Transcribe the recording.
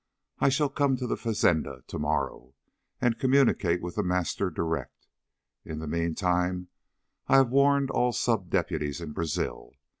I shall come to the_ fazenda _to morrow and communicate with The Master direct. In the meantime I have warned all sub deputies in Brazil.